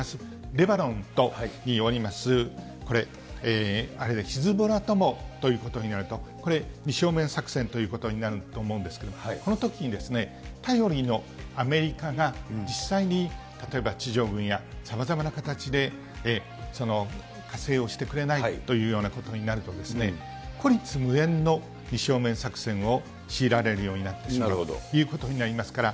レバノンによります、これ、ヒズボラともということになると、これ、２正面作戦ということになると思うんですけれども、このときに頼りのアメリカが、実際に、例えば地上軍や、さまざまな形で加勢をしてくれないというようなことになるとですね、孤立無援の２正面作戦を強いられるようになってしまうということになりますから。